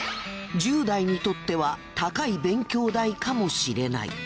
１０代にとっては高い勉強代かもしれない。